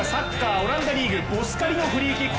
オランダリーグ、ボスカリのフリーキック。